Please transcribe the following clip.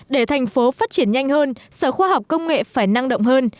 để thành phố phát triển nhanh hơn sở khoa học công nghệ phải năng động hơn